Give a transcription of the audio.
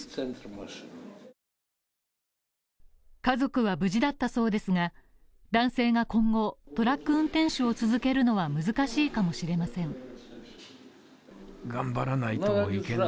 家族は無事だったそうですが、男性が今後、トラック運転手を続けるのは難しいかもしれません。